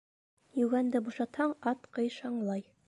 Йүгәнде бушатһаң, ат ҡыйшаңлай.